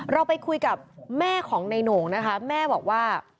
เราไปคุยกับแม่ของในโหน่งนะคะแม่บอกว่า